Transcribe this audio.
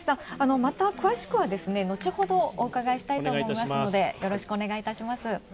また詳しくは、後ほどお伺いしたいと思いますのでよろしくお願いいたします。